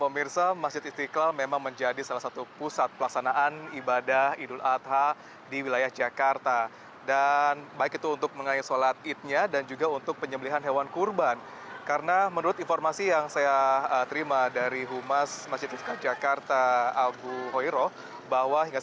masjid istiqlal jakarta jakarta